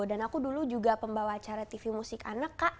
dan aku dulu juga pembawa acara tv musik anak kak